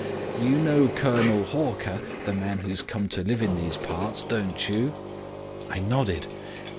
You know Colonel Hawker, the man who's come to live in these parts, don't you?' "I nodded.